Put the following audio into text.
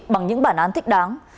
bằng những bản án thích đáng